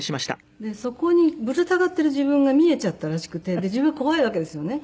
そこにぶら下がっている自分が見えちゃったらしくて自分は怖いわけですよね。